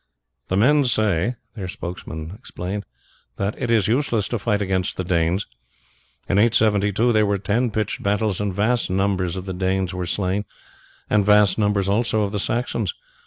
"The men say," their spokesman explained, "that it is useless to fight against the Danes. In 872 there were ten pitched battles, and vast numbers of the Danes were slain, and vast numbers also of Saxons.